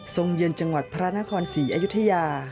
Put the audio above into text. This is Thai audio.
เยือนจังหวัดพระนครศรีอยุธยา